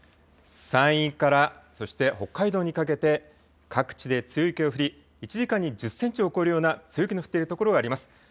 山陰から、そして北海道にかけて、各地で強い雪が降り、１時間に１０センチを超えるような強い雪が降っているところがあります。